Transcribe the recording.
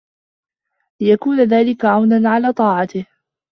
لِيَكُونَ ذَلِكَ عَوْنًا عَلَى طَاعَتِهِ